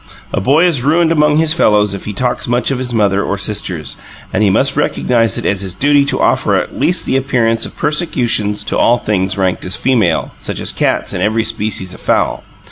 A boy is ruined among his fellows if he talks much of his mother or sisters; and he must recognize it as his duty to offer at least the appearance of persecution to all things ranked as female, such as cats and every species of fowl.